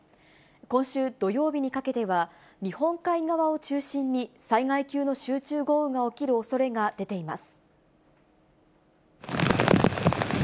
今週土曜日にかけては日本海側を中心に、災害級の集中豪雨が起きるおそれが出ています。